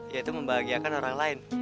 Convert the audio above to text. yaitu membahagiakan orang lain